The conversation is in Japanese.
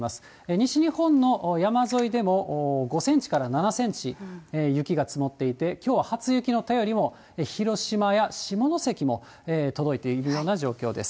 西日本の山沿いでも５センチから７センチ、雪が積もっていて、きょうは初雪の便りも広島や下関も届いているような状況です。